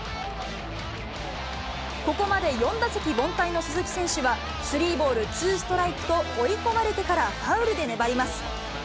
ここまで４打席凡退の鈴木選手はスリーボール、ツーストライクと追い込まれてからファウルで粘ります。